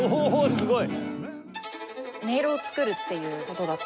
すごい！